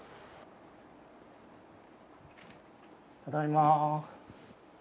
ただいま。